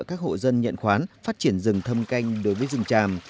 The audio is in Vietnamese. các hộ dân nhận khoán phát triển rừng thâm canh đối với rừng tràm